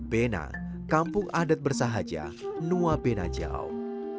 bena kampung adat bersahaja nuwa bena jauh